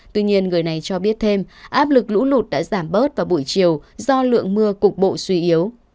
tuy nhiên người này cho biết thêm áp lực lũ lụt đã giảm bớt vào buổi chiều do lượng mưa cục bộ suy yếu